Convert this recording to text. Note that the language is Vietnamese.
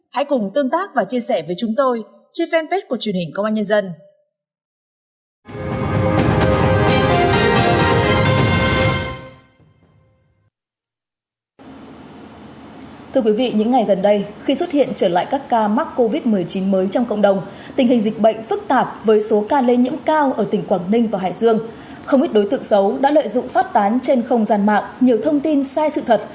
hãy cùng tương tác và chia sẻ với chúng tôi trên fanpage của truyền hình công an nhân dân